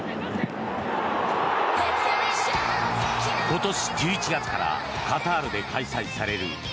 今年１１月からカタールで開催されるＦＩＦＡ